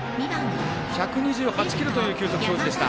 １２８キロという球速表示でした。